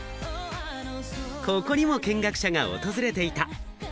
ここにも見学者が訪れていた。